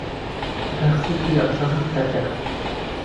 لە باخچەیەکی ئاژەڵان کار دەکەم.